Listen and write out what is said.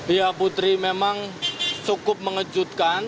ya putri memang cukup mengejutkan